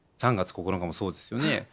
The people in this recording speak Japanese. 「３月９日」もそうですよね。